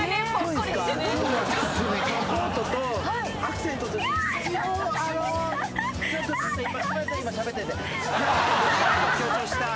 このコートとアクセントとして。